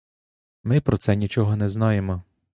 Ми про це нічого не знаємо.